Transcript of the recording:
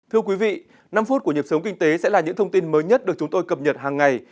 thưa quý vị năm phút của nhập sống kinh tế sẽ là những thông tin mới nhất được chúng tôi cập nhật hàng ngày